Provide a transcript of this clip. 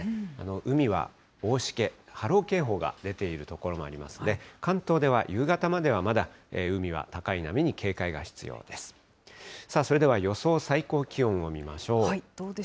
海は大しけ、波浪警報が出ている所もありますので、関東では夕方まではまだ海は高い波に警戒が必要です。